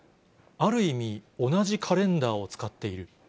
ある意味、同じカレンダーを使っている。